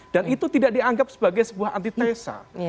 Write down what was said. dan itu tidak dianggap sebagai sebuah antitesa